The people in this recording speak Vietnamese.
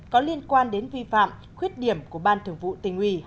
có liên quan đến vi phạm khuyết điểm của ban thường vụ tỉnh ủy